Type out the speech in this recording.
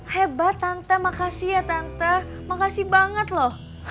hebat tanta makasih ya tante makasih banget loh